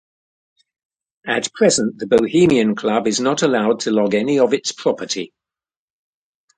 At present the Bohemian Club is not allowed to log any of its property.